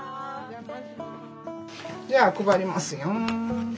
じゃあ配りますよ。